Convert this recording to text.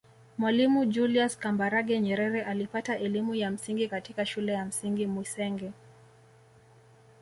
Mwalimu Julius Kambarage Nyerere alipata elimu ya msingi katika Shule ya Msingi Mwisenge